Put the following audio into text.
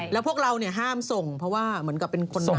แล้วพวกเราห้ามส่งเพราะว่าเหมือนกับเป็นคน